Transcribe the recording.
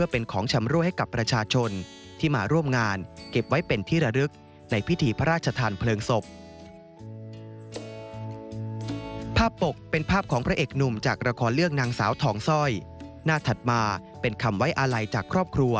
พ่อปจ๋าจะอยู่ในหัวใจของทั้งสองดวงนี้ตลอด